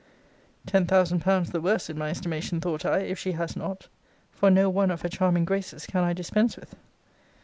Ten thousand pounds the worse in my estimation, thought I, if she has not; for no one of her charming graces can I dispense with.